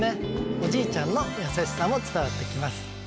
おじいちゃんの優しさも伝わって来ます。